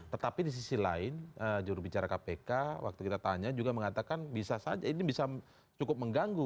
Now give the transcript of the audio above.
tetapi di sisi lain jurubicara kpk waktu kita tanya juga mengatakan bisa saja ini bisa cukup mengganggu